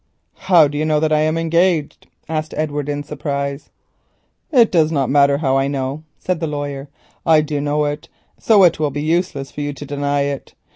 "How do you know that I am engaged?" asked Edward in surprise. "It does not matter how I know it," said the lawyer, "I do know it, so it will be useless for you to deny it.